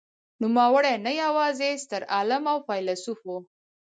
نوموړی نه یوازې ستر عالم او فیلسوف و.